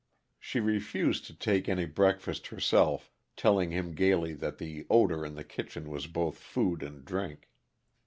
She refused to take any breakfast herself, telling him gayly that the odor in the kitchen was both food and drink.